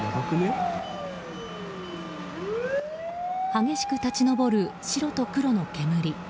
激しく立ち上る白と黒の煙。